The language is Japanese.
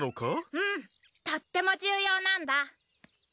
うんとっても重要なんだ。